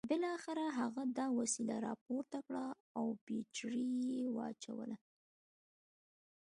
بالاخره هغه دا وسیله راپورته کړه او بیټرۍ یې واچولې